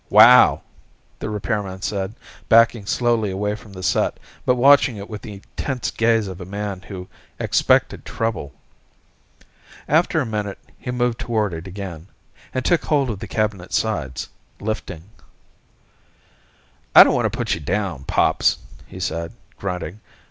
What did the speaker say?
"Wow," the repairman said, backing slowly away from the set, but watching it with the tense gaze of a man who expected trouble. After a minute he moved toward it again, and took hold of the cabinet sides, lifting. "I don't want to put you down, Pops," he said, grunting.